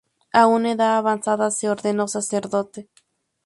A una edad avanzada se ordenó sacerdote.